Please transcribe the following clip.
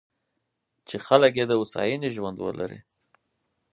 چې خلک یې د هوساینې ژوند ولري.